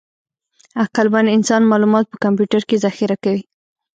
عقلمن انسان معلومات په کمپیوټر کې ذخیره کوي.